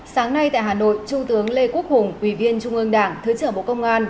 sáng nay tại hà nội trung tướng lê quốc hùng ủy viên trung ương đảng thứ trưởng bộ công an